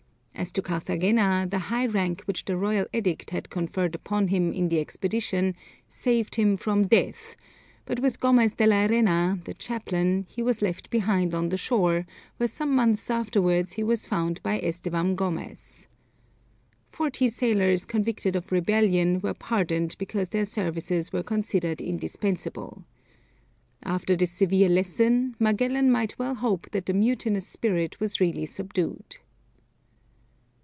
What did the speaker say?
As to Carthagena, the high rank which the royal edict had conferred upon him in the expedition saved him from death, but with Gomez de la Reina, the chaplain, he was left behind on the shore, where some months afterwards he was found by Estevam Gomez. Forty sailors convicted of rebellion were pardoned because their services were considered indispensable. After this severe lesson Magellan might well hope that the mutinous spirit was really subdued.